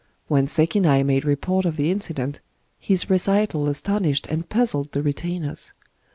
When Sekinai made report of the incident, his recital astonished and puzzled the retainers.